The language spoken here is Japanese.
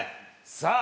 さあ。